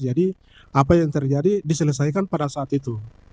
jadi apa yang terjadi diselesaikan pada saat itu